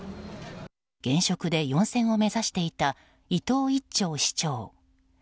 現職で４選を目指していた伊藤一長市長。